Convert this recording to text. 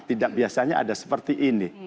tidak biasanya ada seperti ini